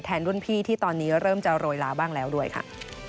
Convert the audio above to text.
รุ่นพี่ที่ตอนนี้เริ่มจะโรยลาบ้างแล้วด้วยค่ะ